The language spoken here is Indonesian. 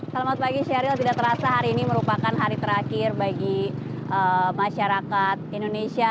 selamat pagi sheryl tidak terasa hari ini merupakan hari terakhir bagi masyarakat indonesia